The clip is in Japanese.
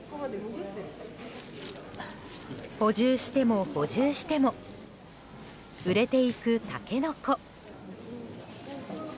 補充しても補充しても売れていくタケノコ。